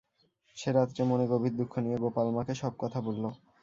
সে রাত্রে মনে গভীর দুঃখ নিয়ে গোপাল মাকে সব কথা বলল।